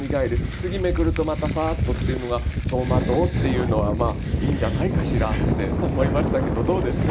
次めくるとまたふわっとっていうのが「走馬灯」っていうのはいいんじゃないかしらって思いましたけどどうですか？